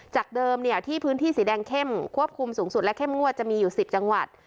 จากเดิมที่พื้นที่สีแดงเข้มควบคุมสูงสุดและเข้มงวดจะมีอยู่๑๐จังหวัด